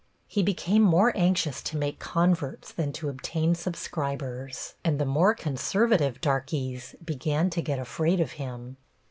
He became more anxious to make converts than to obtain subscribers, and the more conservative darkies began to get afraid of him.